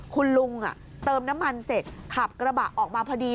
คุณลุงเติมน้ำมันเสร็จขับกระบะออกมาพอดี